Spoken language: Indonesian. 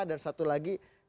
dan satu lagi